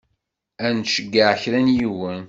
Ad nceyyeɛ kra n yiwen.